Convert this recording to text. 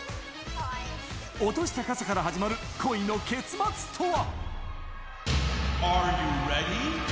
落とした傘から始まる恋の結末とは？